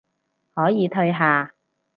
可以退下